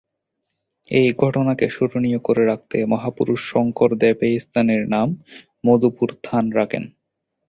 এই ঘটনাকে স্মরণীয় করে রাখতে মহাপুরুষ শঙ্করদেব এই স্থানের নাম "মধুপুর থান" রাখেন।